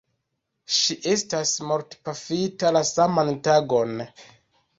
Ŝi estas mortpafita la saman tagon.